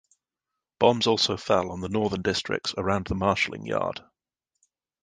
Bombs also fell on the northern districts around the marshalling yard.